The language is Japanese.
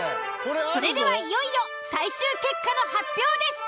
それではいよいよ最終結果の発表です。